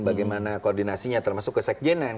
bagaimana koordinasinya termasuk ke sekjenan